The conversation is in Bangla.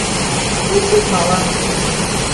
তুই ঠিক বাবার মতো!